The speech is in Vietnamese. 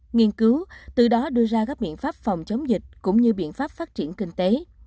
nghiên cứu từ đó đưa ra các biện pháp phòng chống dịch cũng như biện pháp phát triển kinh tế